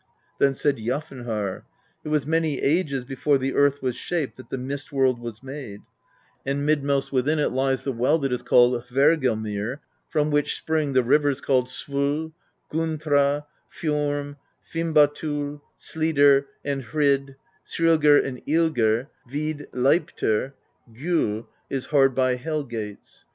Then said Jafnharr: "It was many ages before the earth was shaped that the Mist World was made; and midmost within it lies the well that is called Hvergelmir, from which spring the rivers called Svol, Gunnthra, Fjorm, Fimbul thul, Slidr and Hrid, Sylgr and Ylgr, Vid, Leiptr; GjoU is hard by Hel gates."